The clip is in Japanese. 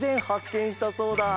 けんしたそうだ。